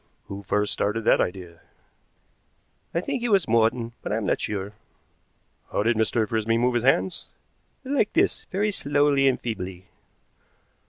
"Who first started that idea?" "I think it was Morton, but I am not sure." "How did Mr. Frisby move his hands?" "Like this, very slowly and feebly."